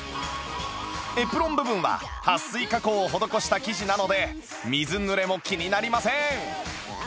エプロン部分ははっ水加工を施した生地なので水濡れも気になりません